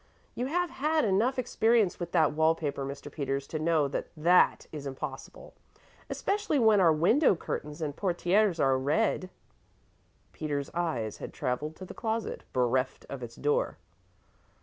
You have had enough experience with wall paper, Mr. Peters, to know that that is impossible, especially when our window curtains and portières are red." Peters's eyes had traveled to the closet, bereft of its door.